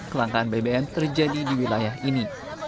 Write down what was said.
kelangkaan bbm terjadi di wilayah ini